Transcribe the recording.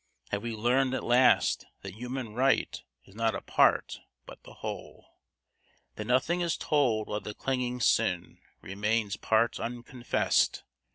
Have we learned at last that human right is not a part but the whole? That nothing is told while the clinging sin remains part unconfessed?